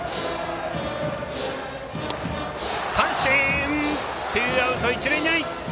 三振、ツーアウト一塁二塁。